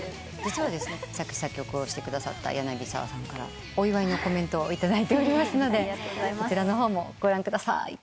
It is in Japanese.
実はですね作詞作曲をしてくださった柳沢さんからお祝いのコメントを頂いておりますのでこちらの方もご覧ください。